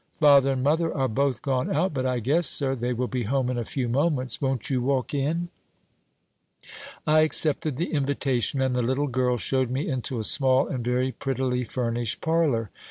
"Father and mother are both gone out; but I guess, sir, they will be home in a few moments: won't you walk in?" I accepted the invitation, and the little girl showed me into a small and very prettily furnished parlor.